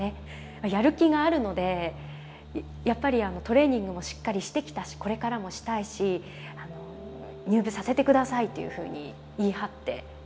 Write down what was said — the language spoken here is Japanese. やる気があるのでやっぱりトレーニングもしっかりしてきたしこれからもしたいし入部させて下さいというふうに言い張って。